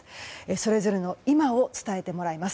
それぞれの今を伝えてもらいます。